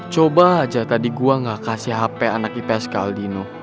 coba aja tadi gue nggak kasih hp anak ips ke aldino